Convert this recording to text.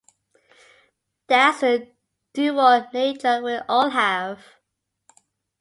That's the dual nature we all have.